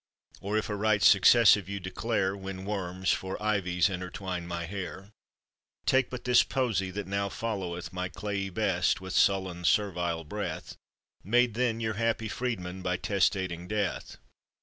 Or, if a right successive you declare When worms, for ivies, intertwine my hair, Take but this Poesy that now followeth My clayey best with sullen servile breath, Made then your happy freedman by testating death.